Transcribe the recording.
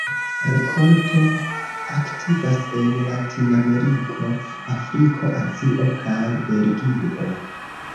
Rikolto aktivas en Latinameriko, Afriko, Azio kaj Belgio.